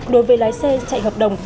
đối với lái xe chạy hợp đồng